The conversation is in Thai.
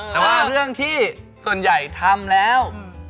แต่ว่าเรื่องที่ส่วนใหญ่ทำแล้ว